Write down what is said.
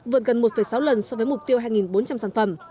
vượt gần một sáu lần so với mục tiêu hai bốn trăm linh sản phẩm